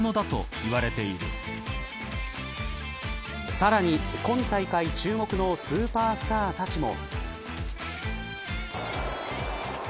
さらに今大会注目のスーパースターたちも。